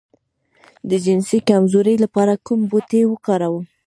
د جنسي کمزوری لپاره کوم بوټی وکاروم؟